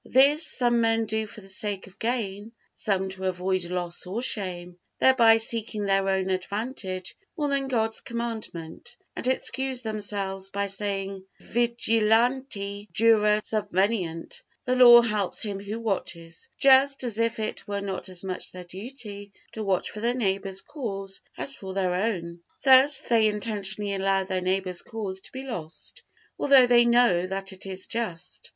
This some men do for the sake of gain, some to avoid loss or shame, thereby seeking their own advantage more than God's Commandment, and excuse themselves by saying: Vigilanti jura subveniunt, "the law helps him who watches"; just as if it were not as much their duty to watch for their neighbor's cause as for their own. Thus they intentionally allow their neighbor's cause to be lost, although they know that it is just.